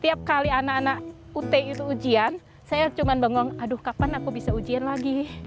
setiap kali anak anak ut itu ujian saya cuma bangun aduh kapan aku bisa ujian lagi